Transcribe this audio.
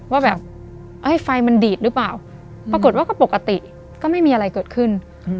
ว่าแบบไฟมันดีดหรือเปล่าปรากฏว่าก็ปกติก็ไม่มีอะไรเกิดขึ้น